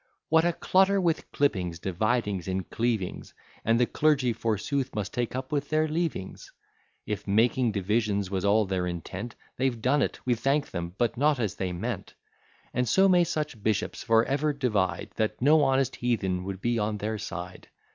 What a clutter with clippings, dividings, and cleavings! And the clergy forsooth must take up with their leavings; If making divisions was all their intent, They've done it, we thank them, but not as they meant; And so may such bishops for ever divide, That no honest heathen would be on their side.